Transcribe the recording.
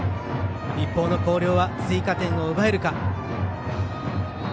一方の広陵は追加点を奪えるか。